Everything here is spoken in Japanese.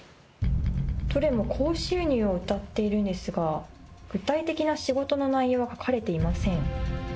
どれも高収入をうたっているんですが具体的な仕事の内容は書かれていません。